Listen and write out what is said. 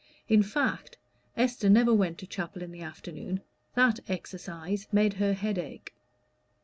In fact, Esther never went to chapel in the afternoon: that "exercise" made her head ache.